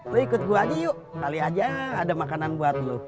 lo ikut gue aja yuk kali aja ada makanan buat lu